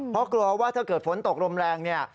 เพราะกลัวว่าถ้าเกิดฝนตกลมแรงเนี่ย